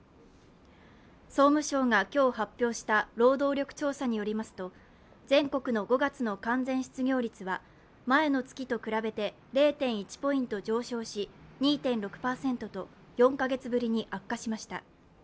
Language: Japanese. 総務省が今日発表した労働力調査によりますと全国の５月の完全失業率は前の月と比べて０．１ポイント上昇し、２．６％と４カ月ぶりに悪化しました。